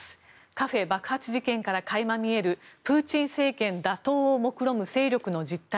カフェ爆発事件から垣間見えるプーチン政権打倒をもくろむ勢力の実態。